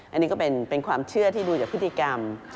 อันนี้ก็เป็นความเชื่อที่ดูจากพฤติกรรม